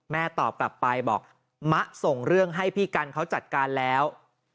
ตอบกลับไปบอกมะส่งเรื่องให้พี่กันเขาจัดการแล้ว